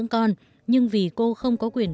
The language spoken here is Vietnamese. con nhưng vì cô không có quyền